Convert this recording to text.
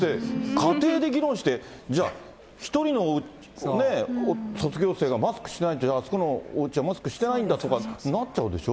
家庭で議論して、じゃあ、１人の卒業生がマスクしないと、あそこのおうちはマスクしてないんだとかなっちゃうでしょ。